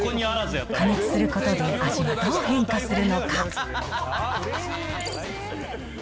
加熱することで味はどう変化するのか。